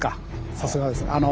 さすがです。